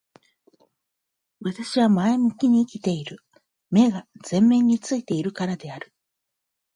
私は前向きに生きている。目が前面に付いているからである。